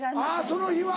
その日は。